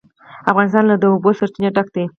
افغانستان له د اوبو سرچینې ډک دی.